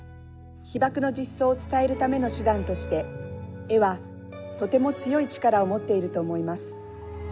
被爆の実相を伝えるための手段として、絵はとても強い力を持っていると思います。